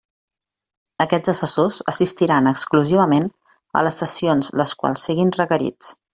Aquests assessors assistiran exclusivament a les sessions les quals siguin requerits.